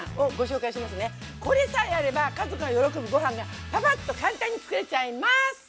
これさえあれば家族が喜ぶご飯がパパッと簡単に作れちゃいまっす！